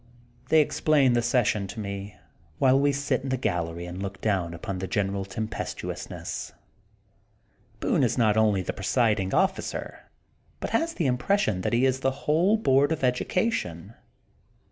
They ex plain the session to me, while we sit in the gallery and look down upon the general tem pestuousness. Boone is not only the presiding officer but X 114 THE GOLDEN BOOK OF SPRINGFIELD has the impression that he is the whole Board of Education.